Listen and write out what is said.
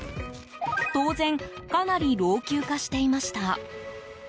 当然かなり老朽化していました。